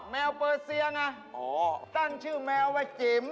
แมวเปอร์เซียไงตั้งชื่อแมวว่าจิ๋ม